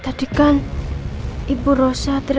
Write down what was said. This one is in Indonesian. tadi kan ibu rosa teriak teriak sebut nama roy